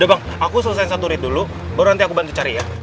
aku selesai satu read dulu baru nanti aku bantu cari ya